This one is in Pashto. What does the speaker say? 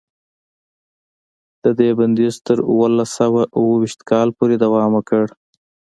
د دې بندیز تر اوولس سوه اوه ویشت کاله پورې دوام وکړ.